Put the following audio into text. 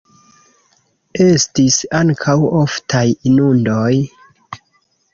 Estis ankaŭ oftaj inundoj.